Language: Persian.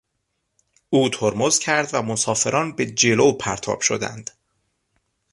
او ترمز کرد و مسافران به جلو پرتاب شدند.